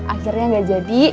akhirnya gak jadi